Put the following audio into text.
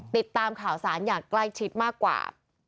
ติดตามข่าวสารอย่างใกล้ชิดมากกว่า